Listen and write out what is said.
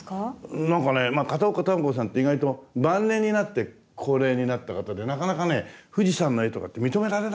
うんなんかね片岡球子さんって意外と晩年になって高名になった方でなかなかね富士山の絵とかって認められなかったんですよね。